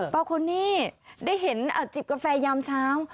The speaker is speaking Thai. คนนี้ได้เห็นจิบกาแฟยามเช้า